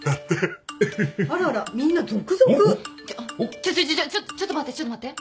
ちょちょちょちょちょっと待ってちょっと待って。